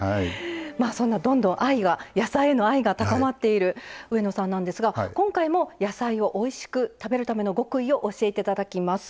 まあそんなどんどん愛が野菜への愛が高まっている上野さんなんですが今回も野菜をおいしく食べるための極意を教えて頂きます。